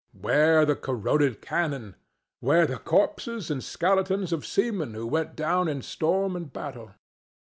where the corroded cannon? where the corpses and skeletons of seamen who went down in storm and battle?